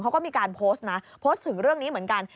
เขาก็มีการโพสต์นะโพสต์ถึงเรื่องนี้เหมือนกัน